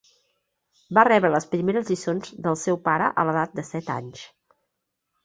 Va rebre les primeres lliçons del seu pare a l'edat de set anys.